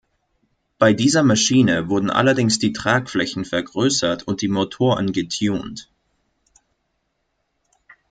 Bei dieser Maschine wurden allerdings die Tragflächen vergrößert und die Motoren getunt.